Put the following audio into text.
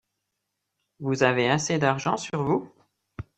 Vous avez assez d'argent sur vous ?